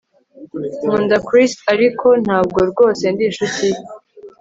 Nkunda Chris ariko ntabwo rwose ndi inshuti ye